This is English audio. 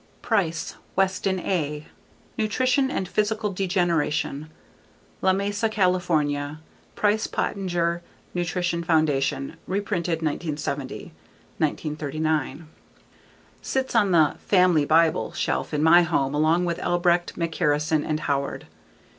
Price, Weston A. _Nutrition and Physical Degeneration. _La Mesa, California: Price Pottenger Nutrition Foundation, reprinted 1970. (1939) Sits on the "family bible" shelf in my home along with Albrecht, McCarrison, and Howard.